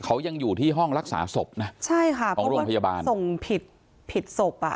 เขายังอยู่ที่ห้องรักษาศพนะของโรงพยาบาลใช่ค่ะเพราะว่าส่งผิดผิดศพอ่ะ